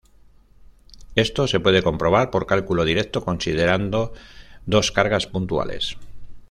Esto se puede comprobar por cálculo directo considerando dos cargas puntuales.